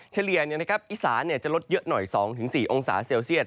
เฉลี่ยอีสานจะลดเยอะหน่อย๒๔องศาเซลเซียต